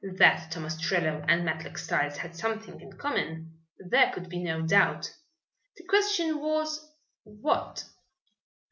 That Tom Ostrello and Matlock Styles had something in common there could be no doubt. The question was, What?